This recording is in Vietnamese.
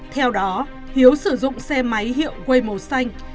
theo đó hiếu sử dụng xe máy hiệu quây màu xanh